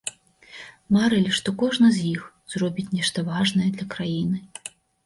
Марылі, што кожны з іх зробіць нешта важнае для краіны.